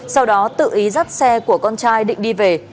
sau đó tự ý dắt xe của con trai định đi về